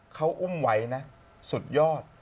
เขาอุ้มไว้นะสุดยอด